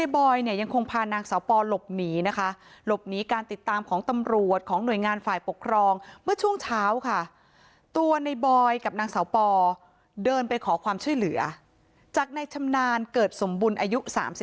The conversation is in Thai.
แบบนางเสาปอเดินไปขอความช่วยเหลือจากในชำนานเกิดสมบุญอายุ๓๒